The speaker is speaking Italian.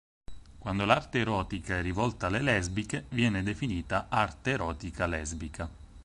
Quando l'arte erotica è rivolta alle lesbiche, viene definita arte erotica lesbica.